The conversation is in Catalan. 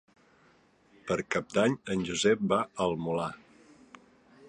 Per Cap d'Any en Josep va al Molar.